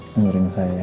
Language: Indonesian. dengerin saya ya